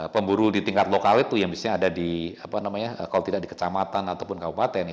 pemburu di tingkat lokal itu yang biasanya ada di apa namanya kalau tidak di kecamatan ataupun kabupaten